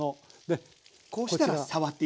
こうしたら触っていいですよ